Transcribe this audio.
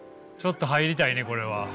ちょっと入りたいねこれは。